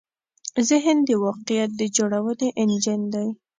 ذهن د واقعیت د جوړونې انجن دی.